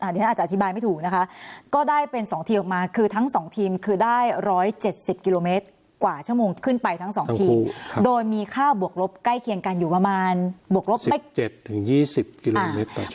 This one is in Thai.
เดี๋ยวอาจจะอธิบายไม่ถูกนะคะก็ได้เป็นสองทีออกมาคือทั้งสองทีมคือได้ร้อยเจ็ดสิบกิโลเมตรกว่าชั่วโมงขึ้นไปทั้งสองทีโดยมีค่าบวกลบใกล้เคียงกันอยู่ประมาณบวกลบสิบเจ็ดถึงยี่สิบกิโลเมตรต่อชั่วโมง